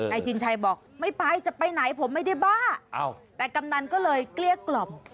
ชินชัยบอกไม่ไปจะไปไหนผมไม่ได้บ้าแต่กำนันก็เลยเกลี้ยกล่อม